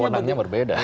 karena ownannya berbeda